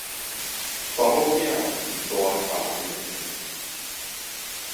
查某囝飼大別人个